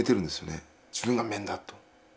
「自分が面だ」と。